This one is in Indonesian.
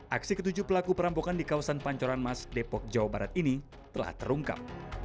aksi ketujuh pelaku perampokan di kawasan pancoran mas depok jawa barat ini telah terungkap